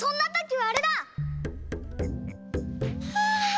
はあ。